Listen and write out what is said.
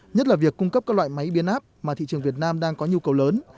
nhất là việc cung cấp các loại máy biến áp mà thị trường việt nam đang có nhu cầu lớn